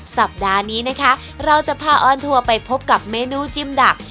สัปดาห์นี้นะคะเราจะพาออนทัวร์ไปพบกับเมนูจิ้มดัก